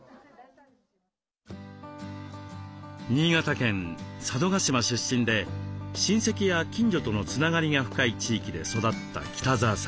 新潟県佐渡島出身で親戚や近所とのつながりが深い地域で育った北澤さん。